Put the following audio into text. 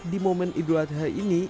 di momen idul adha ini